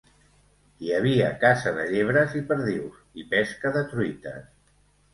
Hi havia caça de llebres i perdius, i pesca de truites.